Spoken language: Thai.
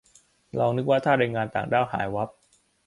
ลองนึกว่าถ้าแรงงานต่างด้าวหายวับ